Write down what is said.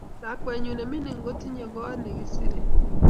Lakwenyu ninmingine kotinda kot nekisire .